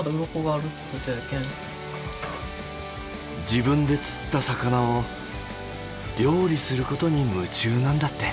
自分で釣った魚を料理することに夢中なんだって。